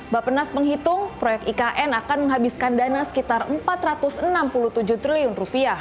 bapenas menghitung proyek ikn akan menghabiskan dana sekitar rp empat ratus enam puluh tujuh triliun